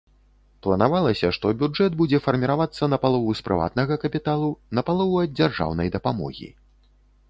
Планавалася, што бюджэт будзе фарміравацца напалову з прыватнага капіталу, напалову ад дзяржаўнай дапамогі.